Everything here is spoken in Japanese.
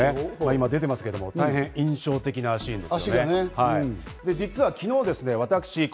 今出てますけど、大変、印象的なシーンです。